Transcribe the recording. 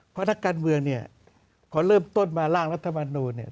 เพราะนักการเมืองเนี่ยพอเริ่มต้นมาร่างรัฐมนูลเนี่ย